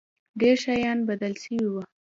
ډېر شيان بدل سوي وو.